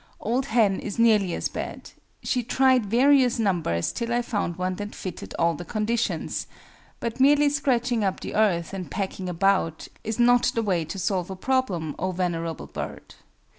OLD HEN is nearly as bad; she "tried various numbers till I found one that fitted all the conditions"; but merely scratching up the earth, and pecking about, is not the way to solve a problem, oh venerable bird!